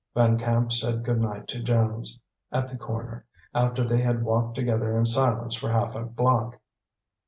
Van Camp said good night to Jones at the corner, after they had walked together in silence for half a block.